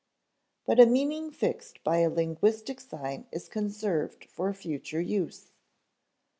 But a meaning fixed by a linguistic sign is conserved for future use.